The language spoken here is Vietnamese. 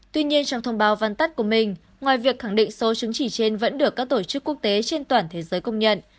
tuy nhiên trong thông báo văn tắt của mình ngoài việc khẳng định số chứng chỉ trên vẫn được các tổ chức quốc tế trên toàn thế giới công nhận